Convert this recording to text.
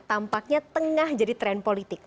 tampaknya tengah jadi tren politik